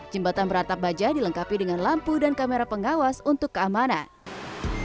jembatan beratap baja dilengkapi dengan lampu dan kamera pengawas untuk keamanan